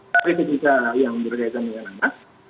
tapi ketika yang berkaitan dengan anak